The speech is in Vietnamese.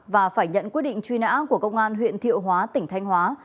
và phải nhận quyết định truy nã của công an huyện thiệu hóa tỉnh thanh hóa